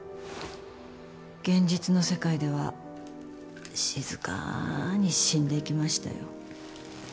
現実の世界では静かに死んでいきましたよ。